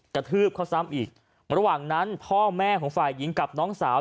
กระทืบเขาซ้ำอีกระหว่างนั้นพ่อแม่ของฝ่ายหญิงกับน้องสาว